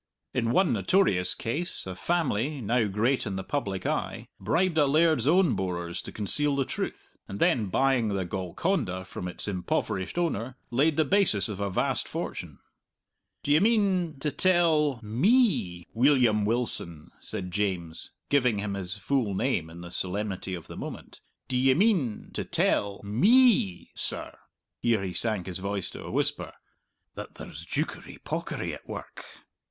In one notorious case a family, now great in the public eye, bribed a laird's own borers to conceal the truth, and then buying the Golconda from its impoverished owner, laid the basis of a vast fortune. "D'ye mean to tell me, Weelyum Wilson," said James, giving him his full name in the solemnity of the moment, "d'ye mean to tell me, sir" here he sank his voice to a whisper "that there's joukery pawkery at work?"